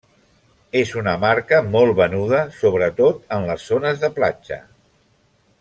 És una marca molt venuda, sobretot en les zones de platja.